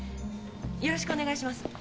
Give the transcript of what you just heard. よろしくお願いします。